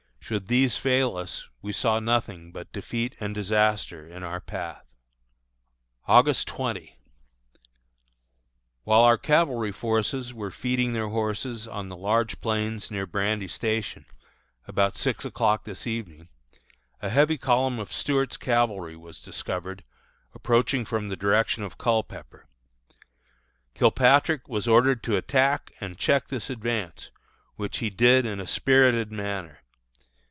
Should these fail us we saw nothing but defeat and disaster in our path. [Illustration: BURIAL OF CAPTAIN WALTERS AT MIDNIGHT, DURING POPE'S RETREAT.] August 20. While our cavalry forces were feeding their horses on the large plains near Brandy Station, about six o'clock this morning, a heavy column of Stuart's cavalry was discovered, approaching from the direction of Culpepper. Kilpatrick was ordered to attack and check this advance, which he did in a spirited manner.